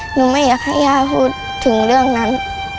หนูไม่อยากให้ย่าพูดถึงเรื่องนั้น